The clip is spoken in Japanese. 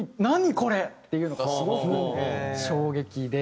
これ！っていうのがすごく衝撃で。